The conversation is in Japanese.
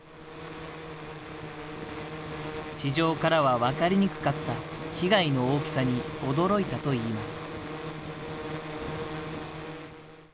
地上からは分かりにくかった被害の大きさに驚いたといいます。